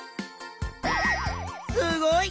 すごい！